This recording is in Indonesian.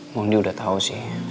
maudy udah tau sih